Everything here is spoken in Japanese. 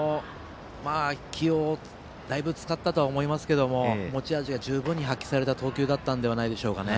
だいぶ気を使ったと思いますけれども持ち味は十分に発揮された投球だったんじゃないんですかね。